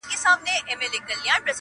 o نن دي سترګي سمي دمي ميکدې دی,